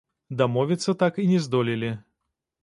Дамовіцца так і не здолелі.